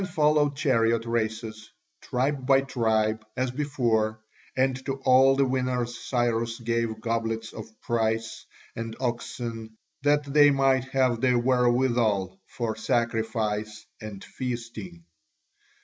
Then followed chariot races, tribe by tribe as before: and to all the winners Cyrus gave goblets of price, and oxen, that they might have the wherewithal for sacrifice and feasting.